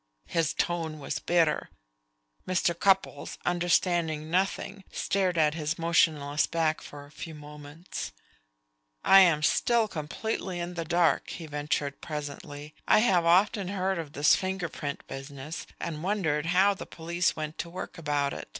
His tone was bitter. Mr. Cupples, understanding nothing, stared at his motionless back for a few moments. "I am still completely in the dark," he ventured presently. "I have often heard of this finger print business, and wondered how the police went to work about it.